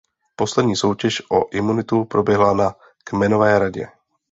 Poslední soutěž o imunitu proběhla na kmenové radě.